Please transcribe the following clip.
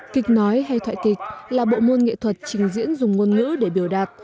kịch nói hay thoại kịch là bộ môn nghệ thuật trình diễn dùng ngôn ngữ để biểu đạt